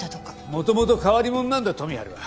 もともと変わり者なんだ富治は。